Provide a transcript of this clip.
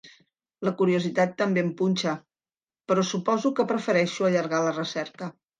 La curiositat també em punxa, però suposo que prefereixo allargar la recerca.